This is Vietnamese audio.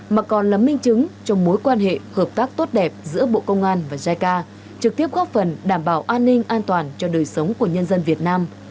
mà còn là minh chứng trong mối quan hệ hợp tác tốt đẹp giữa bộ công an và jica trực tiếp góp phần đảm bảo an ninh an toàn cho đời sống của nhân dân việt nam